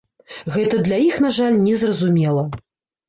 Гэта для іх, на жаль, не зразумела.